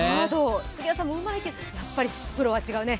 杉谷さんもうまいけど、やっぱりプロは違いますね。